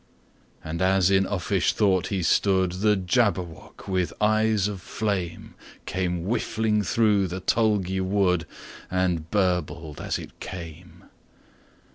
And as in uffish thought he stood, The Jabberwock, with eyes of flame, Came whiffling through the tulgey wood, And burbled as it came!